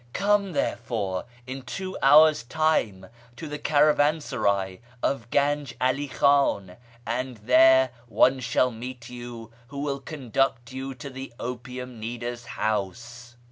Come, therefore, in two hours time to the caravansaray of Ganj 'Ali Khiin, and there one shall meet you who will conduct you to the opium kneader's house."